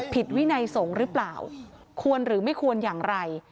ผิดวินัยสงฆ์หรือเปล่าควรหรือไม่ควรอย่างไร